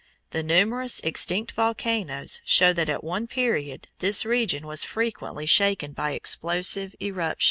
The numerous extinct volcanoes show that at one period this region was frequently shaken by explosive eruptions.